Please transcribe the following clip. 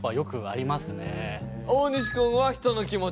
大西くんは人の気持ち。